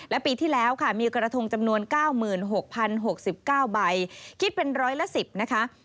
และปีที่แล้วค่ะมีกระทงจำนวน๙๖๐๖๙ใบคิดเป็นร้อยละ๑๐นะคะ